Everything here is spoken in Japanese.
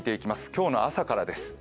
今日の朝からです。